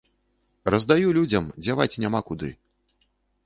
Раздаю людзям, дзяваць няма куды.